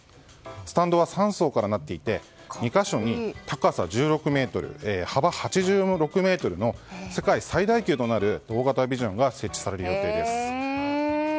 スタンドは３層からなっていて２か所に高さ１６ｍ、幅８６ｍの世界最大級となる大型ビジョンが設置される予定です。